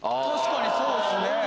確かにそうですね。